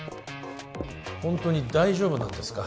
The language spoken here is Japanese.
ホントに大丈夫なんですか？